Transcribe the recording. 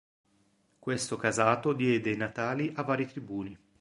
Questo casato diede i natali a vari tribuni.